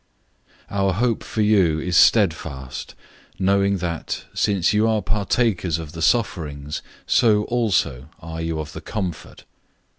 001:007 Our hope for you is steadfast, knowing that, since you are partakers of the sufferings, so also are you of the comfort.